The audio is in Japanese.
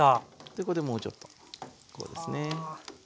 これでもうちょっとこうですね。